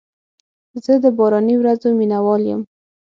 زه د باراني ورځو مینه وال یم.